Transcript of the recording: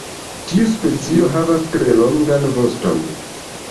Tiu specio havas tre longan voston.